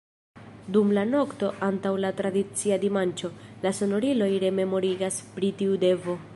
Dum la nokto antaŭ la tradicia dimanĉo, la sonoriloj rememorigas pri tiu devo.